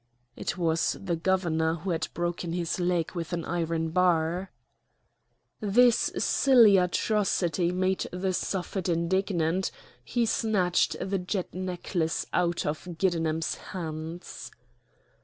It was the governor, who had broken his leg with an iron bar. This silly atrocity made the Suffet indignant; he snatched the jet necklace out of Giddenem's hands.